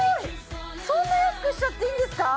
そんな安くしちゃっていいんですか？